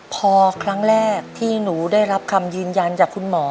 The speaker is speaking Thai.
พอครั้งแรกที่หนูได้รับคำยืนยันจากคุณหมอ